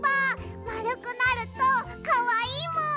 まるくなるとかわいいもん！